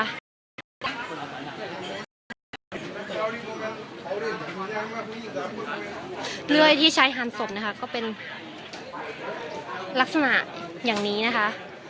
ก็เลยที่ใช้หารสมนะคะก็เป็นลักษณะอย่างนี้นะคะ